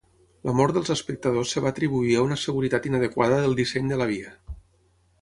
La mort del espectadors es va atribuir a una seguretat inadequada del disseny de la via.